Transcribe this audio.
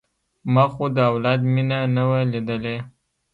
ما خو د اولاد مينه نه وه ليدلې.